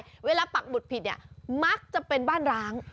ไม่เข้าใจเวลาปักบุตรผิดมักจะเป็นบ้านร้าง